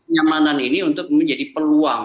nyamanan ini untuk menjadi peluang